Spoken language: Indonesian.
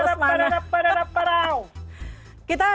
parah parah parah parah parah parah parah